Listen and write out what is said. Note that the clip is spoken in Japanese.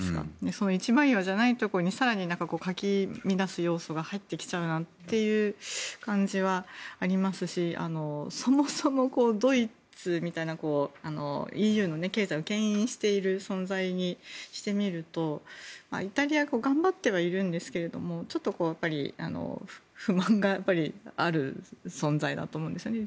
その一枚岩じゃないところに更にかき乱す要素が入ってきちゃうなっていう感じはありますしそもそもドイツみたいなＥＵの経済をけん引している存在にしてみるとイタリア頑張ってはいるんですがちょっと不満がある存在だと思うんですよね。